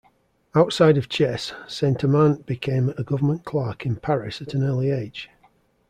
Outside of chess, Saint-Amant became a government clerk in Paris at an early age.